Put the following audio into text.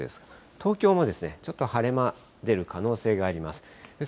東京もちょっと晴れ間出る可能性があります。